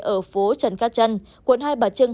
ở phố trần cát trân quận hai bà trưng